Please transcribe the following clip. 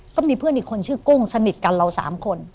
ก็มีเพื่อนอีกคนชื่อกุ้งสนิทกันเรา๓คน